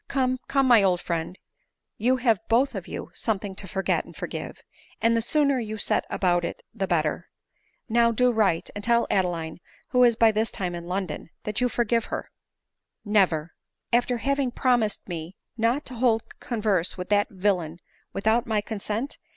" Come, come, my old friend, you have both of you something to forget and forgive ; and the sooner you set about it the better. Now do write, and tell Adeline, who is by this time in London, that you forgive her." " Never ;— after having promised me not to hold con verse with that villain without my concent